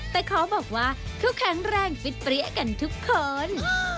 แต่ขอบอกว่าเขาแข็งแรงฟิตเปรี้ยกันทุกคน